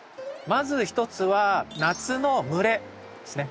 まず一つは夏の蒸れですね。